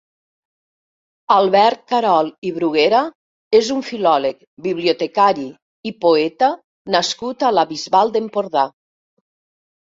Albert Carol i Bruguera és un filòleg, bibliotecari i poeta nascut a la Bisbal d'Empordà.